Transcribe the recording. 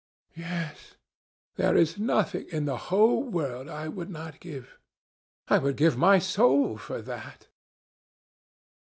Yes, there is nothing in the whole world I would not give! I would give my soul for that!"